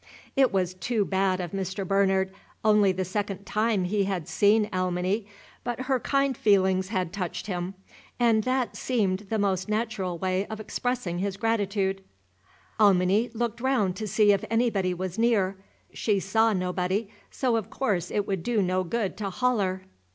It was too bad of Mr. Bernard, only the second time he had seen Alminy; but her kind feelings had touched him, and that seemed the most natural way of expressing his gratitude. Ahniny looked round to see if anybody was near; she saw nobody, so of course it would do no good to "holler."